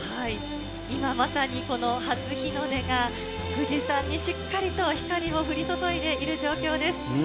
今まさに、この初日の出が富士山にしっかりと光を降り注いでいる状況です。